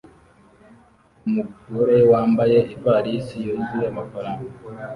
Umugore wambaye ivarisi yuzuye amafaranga